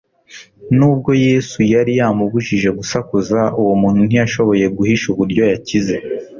Nubwo Yesu yari yamubujije gusakuza, uwo muntu ntiyashoboye guhisha uburyo yakize.